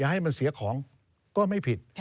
ให้มันเสียของก็ไม่ผิด